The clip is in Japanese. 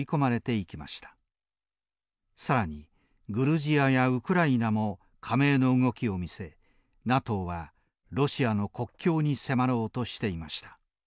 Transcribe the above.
更にグルジアやウクライナも加盟の動きを見せＮＡＴＯはロシアの国境に迫ろうとしていました。